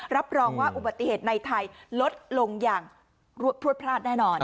รับรองว่าอุบัติเหตุในไทยลดลงอย่างพลวดพลาดแน่นอน